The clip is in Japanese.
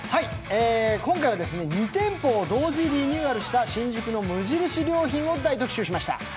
今回は２店舗を同時リニューアルした、新宿の無印良品を大特集しました。